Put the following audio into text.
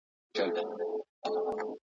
نه صیبه ګوګل دا د پيزا هوټل اخیستی.